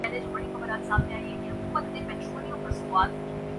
فلمی حلقوں کے مطابق پاکستان